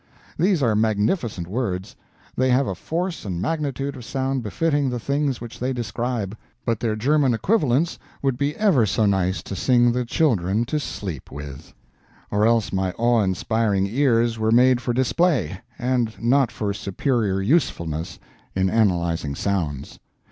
These are magnificent words; the have a force and magnitude of sound befitting the things which they describe. But their German equivalents would be ever so nice to sing the children to sleep with, or else my awe inspiring ears were made for display and not for superior usefulness in analyzing sounds.